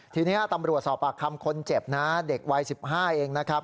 ทีนี้ตำรวจสอบปากคำคนเจ็บนะเด็กวัย๑๕เองนะครับ